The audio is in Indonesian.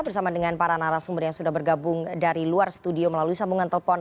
bersama dengan para narasumber yang sudah bergabung dari luar studio melalui sambungan telepon